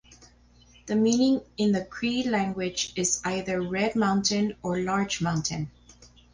The meaning in the Cree language is either "red mountain" or "large mountain".